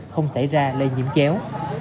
không xảy ra lây nhiễm chéo